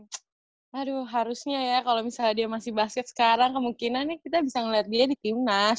jadi vincent itu aduh dia tuh memang aduh harusnya ya kalau misalnya dia masih basket sekarang kemungkinannya kita bisa ngeliat dia di timnas